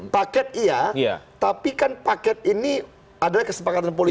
paket iya tapi kan paket ini adalah kesepakatan politik